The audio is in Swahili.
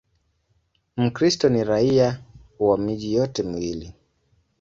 Mkristo ni raia wa miji yote miwili.